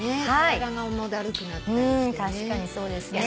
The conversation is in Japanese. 体が重だるくなったりしてね。